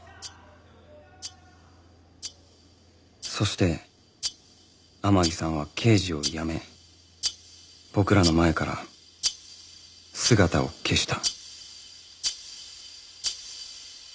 そして天樹さんは刑事を辞め僕らの前から姿を消した